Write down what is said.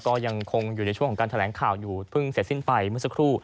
ก็ยังคงอยู่ในช่วงของการแถลงข่าวอยู่เพิ่งเสร็จสิ้นไปเมื่อสักครู่